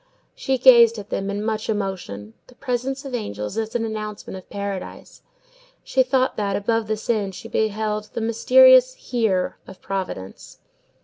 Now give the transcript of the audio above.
She gazed at them in much emotion. The presence of angels is an announcement of Paradise. She thought that, above this inn, she beheld the mysterious HERE of Providence.